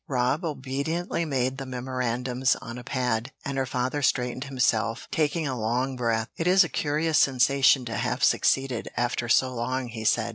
Rob obediently made the memorandums on a pad, and her father straightened himself, taking a long breath. "It is a curious sensation to have succeeded, after so long," he said.